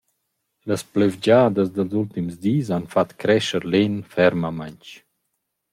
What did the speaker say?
Las plövgiadas dals ultims dis han fat crescher l’En fermamaing.